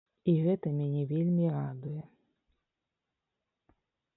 І гэта мяне вельмі радуе.